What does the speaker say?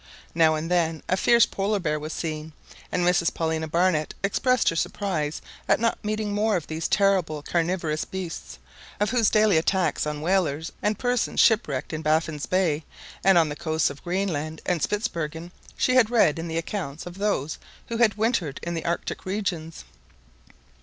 Now and then a fierce polar bear was seen, and Mrs Paulina Barnett expressed her surprise at not meeting more of these terrible carnivorous beasts, of whose daily attacks on whalers and persons shipwrecked in Baffin's Bay and on the coasts of Greenland and Spitzbergen she had read in the accounts of those who had wintered in the Arctic regions.